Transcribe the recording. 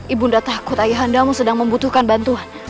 ibunda takut ayahandamu sedang membutuhkan bantuan